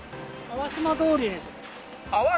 淡島通りに？